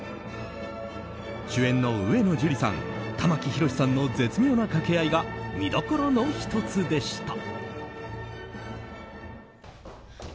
主演の上野樹里さん玉木宏さんの絶妙な掛け合いが見どころの１つでした。